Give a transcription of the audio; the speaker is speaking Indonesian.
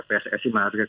pssi menghargai itu